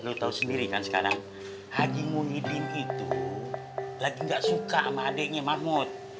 lo tahu sendiri kan sekarang haji muhyiddin itu lagi gak suka sama adiknya mahmud